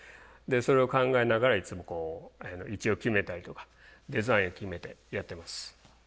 それを考えながらいつもこう位置を決めたりとかデザインを決めてやってます。